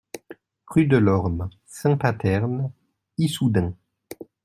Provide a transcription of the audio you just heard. Rue de l'Orme Saint-Paterne, Issoudun